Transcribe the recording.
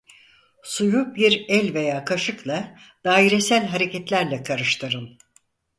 Suyu bir el veya kaşıkla dairesel hareketlerle karıştırın.